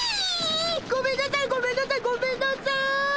ごめんなさいごめんなさいごめんなさい！